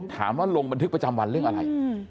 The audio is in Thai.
ลงบันทึกประจำวันเรื่องอะไร